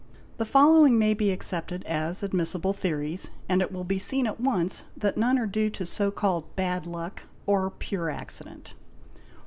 The following may be accepted as admissible theories, and it will be _ seen at once that none are due to so called bad luck or pure accident.